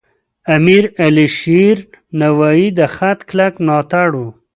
امیر علیشیر نوایی د خط کلک ملاتړی و.